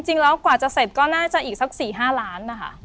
จริงแล้วกว่าจะเสร็จก็น่าจะอีกสัก๔๕ล้านบาท